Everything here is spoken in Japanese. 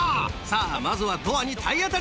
さぁまずはドアに体当たりだ。